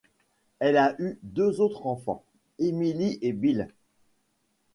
Elle a eu deux autres enfants, Emily et Bill.